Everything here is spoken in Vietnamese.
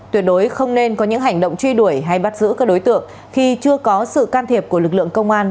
tuyệt đối không nên có những hành động truy đuổi hay bắt giữ các đối tượng khi chưa có sự can thiệp của lực lượng công an